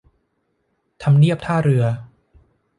ทำเนียบท่าเรือ